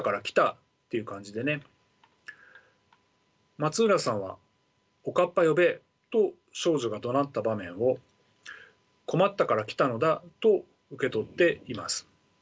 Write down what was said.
松浦さんは「おかっぱ呼べ！」と少女がどなった場面を困ったから来たのだと受け取っています。